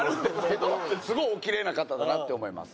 すごいおキレイな方だなって思います。